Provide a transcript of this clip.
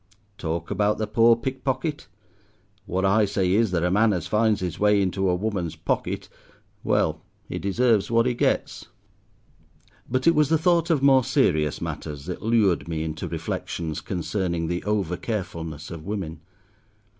Talk about the poor pickpocket. What I say is, that a man as finds his way into a woman's pocket—well, he deserves what he gets." But it was the thought of more serious matters that lured me into reflections concerning the over carefulness of women.